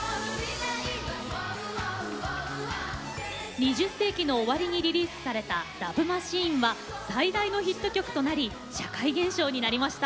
２０世紀の終わりにリリースされた「ＬＯＶＥマシーン」は最大のヒット曲となり社会現象になりました。